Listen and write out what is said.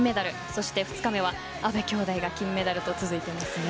そして、２日目は阿部きょうだいが金メダルと続いていますね。